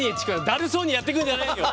だるそうにやってくるんじゃないよ。